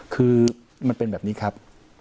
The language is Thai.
คือมันเป็นแบบนี้ครับ